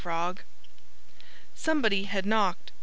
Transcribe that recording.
FROG Somebody had knocked.